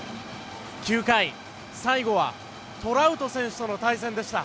９回、最後はトラウト選手との対戦でした。